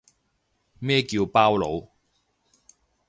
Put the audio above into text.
咩叫包佬